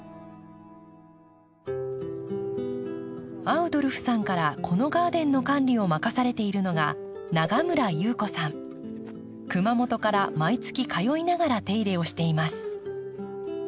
アウドルフさんからこのガーデンの管理を任されているのが熊本から毎月通いながら手入れをしています。